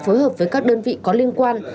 phối hợp với các đơn vị có liên quan